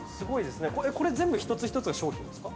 ◆これ全部一つ一つが商品ですか。